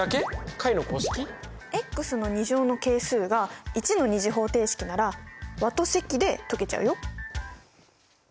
解の公式？の２乗の係数が１の２次方程式なら和と積で解けちゃうよ。